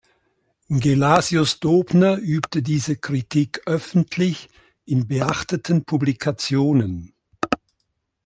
Gelasius Dobner übte diese Kritik öffentlich in beachteten Publikationen.